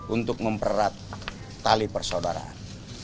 untuk memperat tali persaudaraan